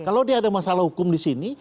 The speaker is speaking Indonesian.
kalau dia ada masalah hukum disini